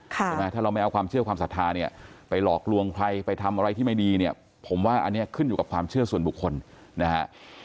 ใช่ไหมถ้าเราไม่เอาความเชื่อความศรัทธาเนี่ยไปหลอกลวงใครไปทำอะไรที่ไม่ดีเนี่ยผมว่าอันนี้ขึ้นอยู่กับความเชื่อส่วนบุคคลนะฮะ